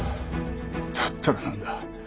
だったらなんだ？